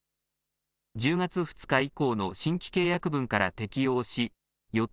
１０月２日以降の新規契約分から適用し予定